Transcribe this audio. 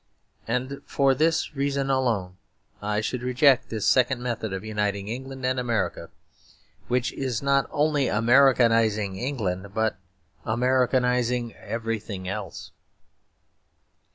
And for this reason alone I should reject this second method of uniting England and America; which is not only Americanising England, but Americanising everything else.